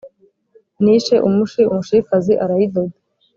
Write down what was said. nishe umushi umushikazi arayidoda